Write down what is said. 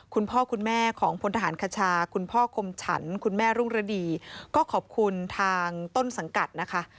คุณพ่อคุณแม่ของพลทหารคชาคุณพ่อคมฉันคุณแม่รุ่งฤดีก็ขอบคุณทางต้นสังกัดนะคะ